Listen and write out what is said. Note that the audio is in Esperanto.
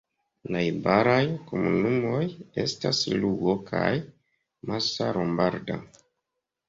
Najbaraj komunumoj estas Lugo kaj Massa Lombarda.